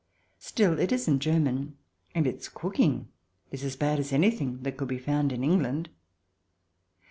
Still, it isn't German, and its cooking is as bad as anything that could be found in England.